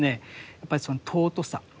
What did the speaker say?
やっぱりその尊さ。